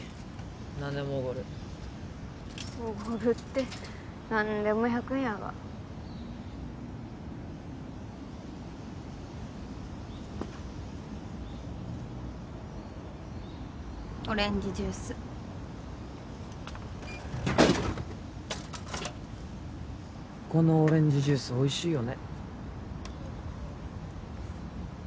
何でもおごるおごるって何でも１００円やがオレンジジュースこのオレンジジュースおいしいよね